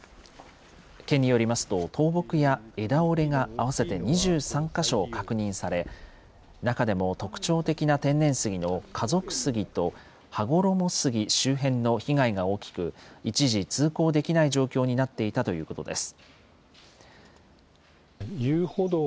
県によりますと、倒木や枝折れが合わせて２３か所確認され、中でも、特徴的な天然杉の家族杉と羽衣杉周辺の被害が大きく、一時通行できない状況になっていたということです。